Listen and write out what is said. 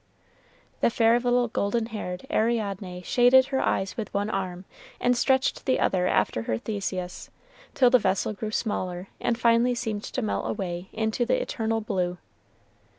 The fair little golden haired Ariadne shaded her eyes with one arm, and stretched the other after her Theseus, till the vessel grew smaller, and finally seemed to melt away into the eternal blue.